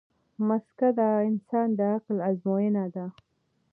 مځکه د انسان د عقل ازموینه ده.